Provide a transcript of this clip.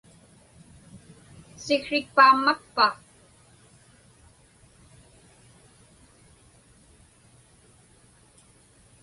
Siksrik paammakpa?